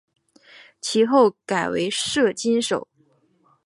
其后改任为摄津守。